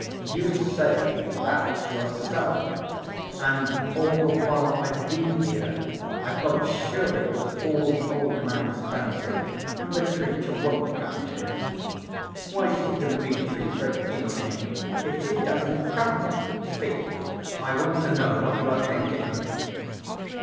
"You say that yourself, and all the while I've been here, I've felt sure it was all the old man's fancy, and the creature won't come to him. Why should Dmitri break in on him if she doesn't come? Speak, I want to know what you are thinking!"